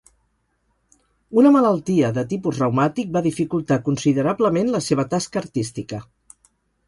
Una malaltia de tipus reumàtic va dificultar considerablement la seva tasca artística.